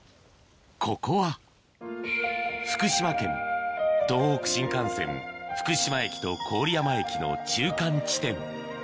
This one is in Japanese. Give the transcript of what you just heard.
ここは福島県東北新幹線福島駅と郡山駅の中間地点